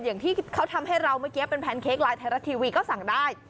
อย่างที่เขาทำให้เราเมื่อกี้เป็นแพนเค้กไลน์ไทยรัฐทีวีก็สั่งได้